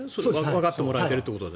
わかってもらえてるということで。